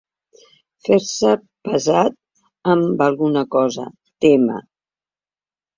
Fer-se pesat amb alguna cosa, tema.